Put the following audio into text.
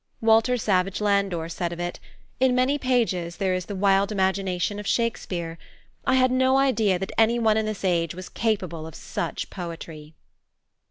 Walter Savage Landor said of it: "In many pages there is the wild imagination of Shakespeare. I had no idea that any one in this age was capable of such poetry."